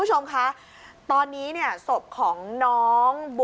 สวัสดีครับสวัสดีครับ